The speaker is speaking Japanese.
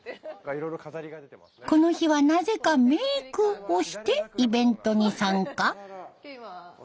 この日はなぜかメイクをしてイベントに参加。